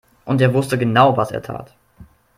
Und er wusste genau, was er tat.